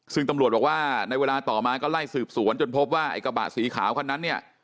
ซึ่งตำรวจบอกว่าในเวลาต่อมาก็ไล่สืบสวนจนพบว่าไอ้กระบะสีขาวคันนั้นเนี่ย